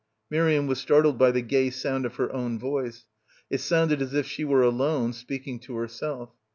Miriam was startled by the gay sound of her own voice. It sounded as if she were alone, speaking to herself.